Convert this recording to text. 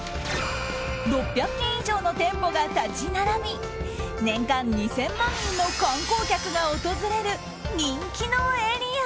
６００軒以上の店舗が立ち並び年間２０００万人の観光客が訪れる人気のエリア。